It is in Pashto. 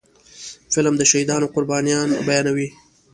فلم د شهیدانو قربانيان بیانوي